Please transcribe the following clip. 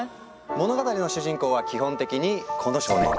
物語の主人公は基本的にこの少年！